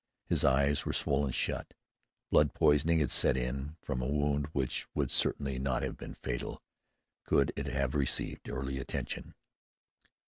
His eyes were swollen shut. Blood poisoning had set in from a wound which would certainly not have been fatal could it have received early attention.